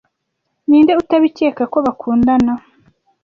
ninde utabikeka ko bakundana